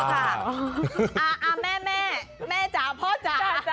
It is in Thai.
อะแม่แม่แม่จ่าพ่อจ่า